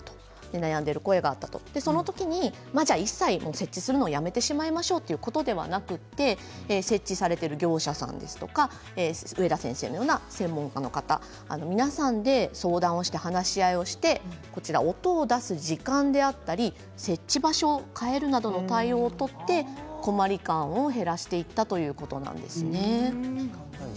悩んでいるこれがあったという、その時に一切、設置するのをやめてしまいましょうということではなくて設置されている業者さんとか上田先生のような専門家の方皆さんで相談をして話し合いをして音を出す時間であったり設置場所を変えるなどの対応を取って困り感を減らしていったということなんですね。